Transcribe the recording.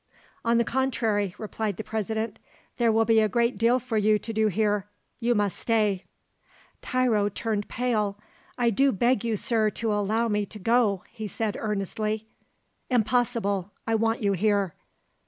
"On the contrary," replied the President, "there will be a great deal for you to do here. You must stay." Tiro turned pale. "I do beg you, Sir, to allow me to go," he said earnestly. "Impossible, I want you here."